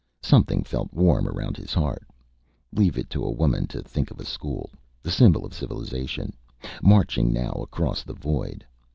Something felt warm around his heart. Leave it to a woman to think of a school the symbol of civilization, marching now across the void.